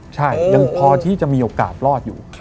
ใช่ยังพอที่จะมีโอกาสรอดอยู่